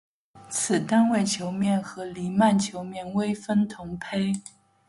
因此单位球面和黎曼球面微分同胚。